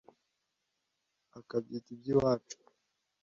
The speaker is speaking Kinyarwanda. akabyita iby’iwacu